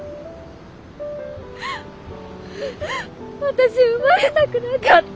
私生まれたくなかった。